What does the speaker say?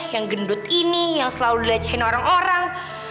yang gendut ini yang selalu dilecehin orang orang